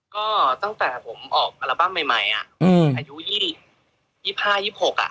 ก็ตั้งแต่ผมออกอัลบั้มใหม่อ่ะอายุ๒๕๒๖อ่ะ